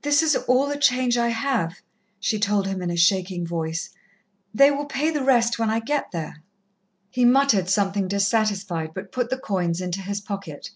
"This is all the change I have," she told him in a shaking voice. "They will pay the rest when I get there." He muttered something dissatisfied, but put the coins into his pocket.